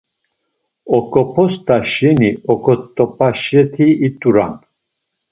Oǩop̌ost̆a şeni oǩot̆apaşeti it̆uran.